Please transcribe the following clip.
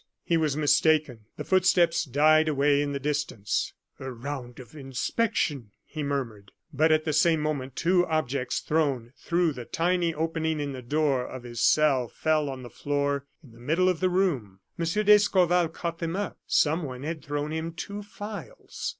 He was mistaken; the footsteps died away in the distance. "A round of inspection!" he murmured. But at the same moment, two objects thrown through the tiny opening in the door of his cell fell on the floor in the middle of the room. M. d'Escorval caught them up. Someone had thrown him two files.